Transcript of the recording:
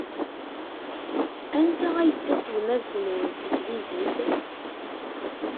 Anta ay d taselmadt-nwen n tanglizit?